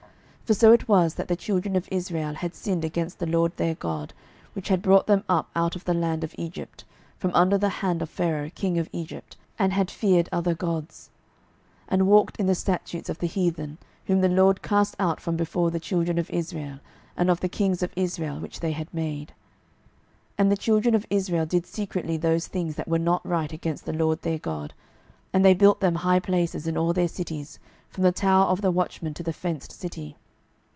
12:017:007 For so it was, that the children of Israel had sinned against the LORD their God, which had brought them up out of the land of Egypt, from under the hand of Pharaoh king of Egypt, and had feared other gods, 12:017:008 And walked in the statutes of the heathen, whom the LORD cast out from before the children of Israel, and of the kings of Israel, which they had made. 12:017:009 And the children of Israel did secretly those things that were not right against the LORD their God, and they built them high places in all their cities, from the tower of the watchmen to the fenced city.